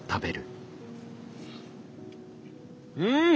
うん！